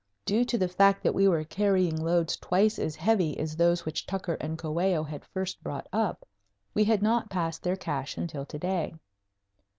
Due to the fact that we were carrying loads twice as heavy as those which Tucker and Coello had first brought up, we had not passed their cache until to day.